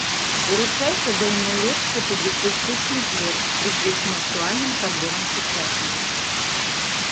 Уручаецца за найлепшы публіцыстычны твор, прысвечаны актуальным праблемам сучаснасці.